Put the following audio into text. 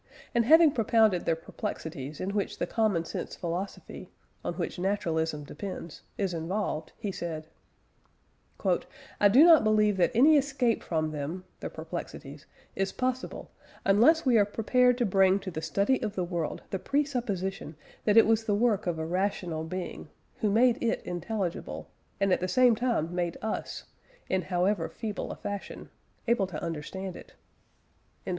And having propounded the perplexities in which the "common sense" philosophy (on which naturalism depends) is involved, he says: "I do not believe that any escape from them (the perplexities) is possible, unless we are prepared to bring to the study of the world the presupposition that it was the work of a rational Being, who made it intelligible, and at the same time made us, in however feeble a fashion, able to understand it."